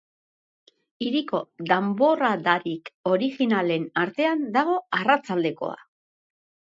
Hiriko danborradarik originalen artean dago arratsaldekoa.